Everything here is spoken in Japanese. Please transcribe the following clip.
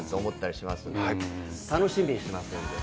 楽しみにしてますんで。